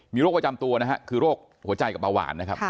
มีโรคประจำตัวนะครับคือโรคหัวใจกับอวาลนะครับ